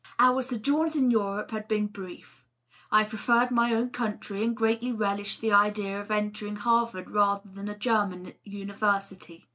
Our sojourns in Europe had been brief; I preferred my own country, and greatly relished the idea of entering Harvard rather than a German university.